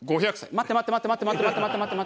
待って待って待って待って待って待って待って！